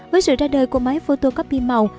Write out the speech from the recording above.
với sự ra đời của máy photocopy màu